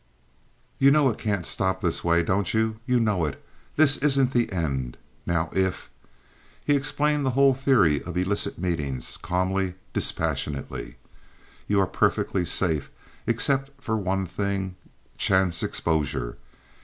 "You know it can't stop this way, don't you? You know it. This isn't the end. Now, if—" He explained the whole theory of illicit meetings, calmly, dispassionately. "You are perfectly safe, except for one thing, chance exposure.